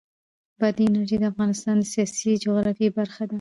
بادي انرژي د افغانستان د سیاسي جغرافیه برخه ده.